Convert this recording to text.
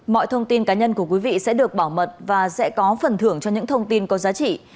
mọi thông tin cá nhân của quý vị sẽ được bảo mật và sẽ có phần thưởng cho những thông tin có giá trị